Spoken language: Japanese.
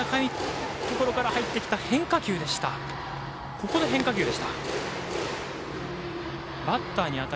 ここで変化球でした。